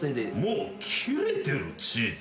もう切れてるチーズ？